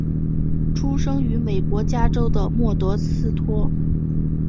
出生于美国加州的莫德斯托。